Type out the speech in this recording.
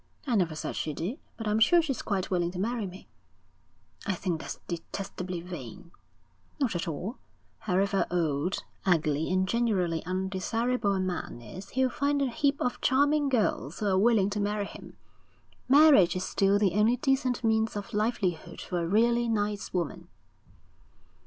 'I never said she did; but I'm sure she's quite willing to marry me.' 'I think that's detestably vain.' 'Not at all. However old, ugly, and generally undesirable a man is, he'll find a heap of charming girls who are willing to marry him. Marriage is still the only decent means of livelihood for a really nice woman.'